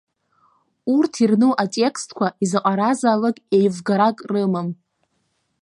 Урҭ ирну атекстқәа изаҟаразаалак еивгарак рымам.